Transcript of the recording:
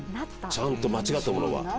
ちゃんと間違ったものは。